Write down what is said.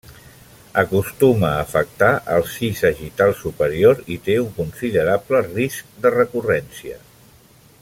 Acostuma a afectar el si sagital superior i té un considerable risc de recurrència.